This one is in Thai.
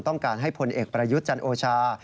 ต้องการให้พลเอกประยุทธ์จันโอชา